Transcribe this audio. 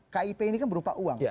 kip ini kan berupa uang